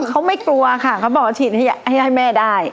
เขาไม่กลัวค่ะเขาบอกว่าฉีดให้แม่ได้